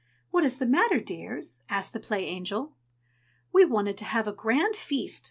"What is the matter, dears?" asked the Play Angel. "We wanted to have a grand feast!"